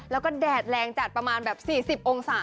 แล้วก็แดดแรงจัดประมาณแบบ๔๐องศา